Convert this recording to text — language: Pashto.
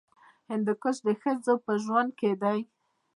هندوکش د ښځو په ژوند کې دي.